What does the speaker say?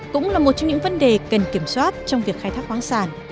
cũng là một trong những vấn đề cần kiểm soát trong việc khai thác khoáng sản